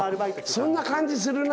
そんな感じするな。